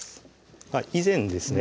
以前ですね